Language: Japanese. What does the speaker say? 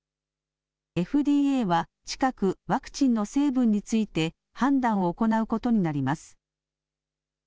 ＦＤＡは近くワクチンの成分について判断を行うことになります。